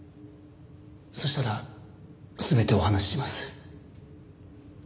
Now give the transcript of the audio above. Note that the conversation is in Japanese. そしたら全てをお話しします。